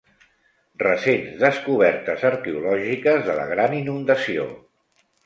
Recents descobertes arqueològiques de la gran inundació.